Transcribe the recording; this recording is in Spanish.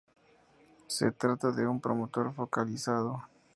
Se trata de un promotor focalizado.